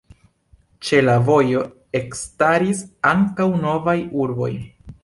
Ĉe la vojo ekstaris ankaŭ novaj urboj.